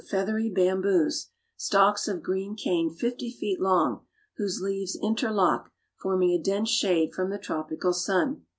feathery bamboos, stalks of green cane fifty feet long, whose leaves interlock, forming a dense shade from the tropical sun.